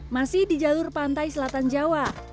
masih di jalur pantai selatan jawa